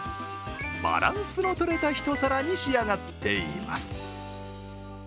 バランスのとれた一皿に仕上がっています。